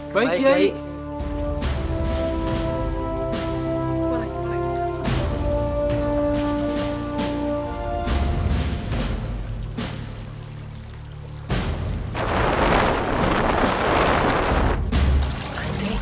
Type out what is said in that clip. baik ya ii